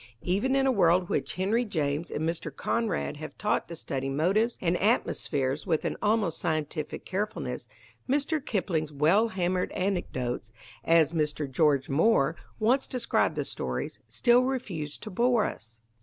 Even in a world which Henry James and Mr. Conrad have taught to study motives and atmospheres with an almost scientific carefulness, Mr. Kipling's "well hammered anecdotes," as Mr. George Moore once described the stories, still refuse to bore us.